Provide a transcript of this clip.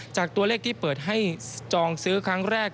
จากตัวเลขที่เปิดให้จองซื้อครั้งแรก